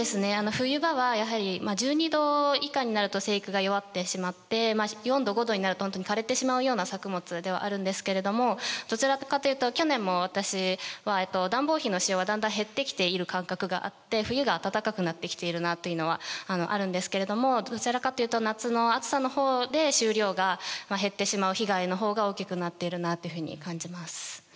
冬場はやはり１２℃以下になると生育が弱ってしまって４℃５℃になると本当に枯れてしまうような作物ではあるんですけれどもどちらかというと去年も私は暖房費の使用はだんだん減ってきている感覚があって冬が暖かくなってきているなというのはあるんですけれどもどちらかというと夏の暑さの方で収量が減ってしまう被害の方が大きくなっているなというふうに感じます。